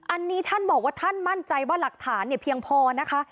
อันนี้ท่านบอกว่าท่านมั่นใจว่าหลักฐานเนี่ยเพียงพอนะคะ